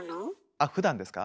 あっふだんですか？